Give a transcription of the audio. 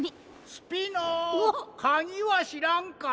・スピノかぎはしらんか？